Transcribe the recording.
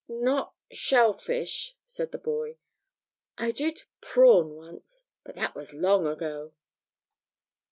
'Not "Shellfish,"' said the boy; 'I did "Prawn" once. But that was long ago.'